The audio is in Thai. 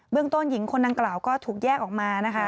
ต้นหญิงคนดังกล่าวก็ถูกแยกออกมานะคะ